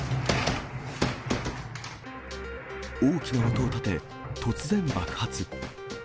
大きな音を立て、突然爆発。